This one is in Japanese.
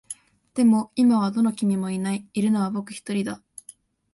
でも、今はどの君もいない。いるのは僕一人だ。